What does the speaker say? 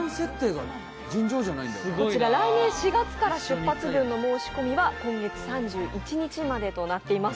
こちら来年４月からの出発分の申し込みは今月３１日までとなっています。